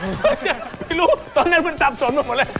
ไม่รู้ตอนแรกมันสับสนหมดแล้ว